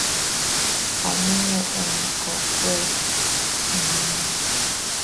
aminye eng kokwee ne mining.